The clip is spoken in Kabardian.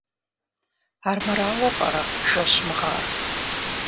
Армырауэ пӀэрэ жэщым гъар?